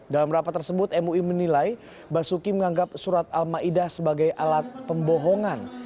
dalam rapat tersebut mui menilai basuki menganggap surat al ma'idah sebagai alat pembohongan